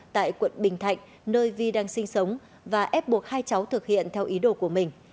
tại quận bình thạnh nơi vi đang sinh sống và ép buộc hai cháu thực hiện theo ý đồ của mình